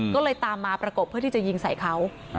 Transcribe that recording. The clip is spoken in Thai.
ก็เลยตามมาประกบเพื่อที่จะยิงใส่เขา